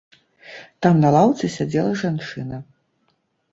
Там на лаўцы сядзела жанчына.